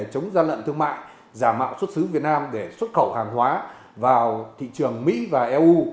chống gian lận thương mại giả mạo xuất xứ việt nam để xuất khẩu hàng hóa vào thị trường mỹ và eu